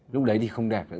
lúc đấy thì không đẹp nữa rồi